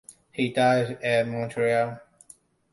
He died at Montreal.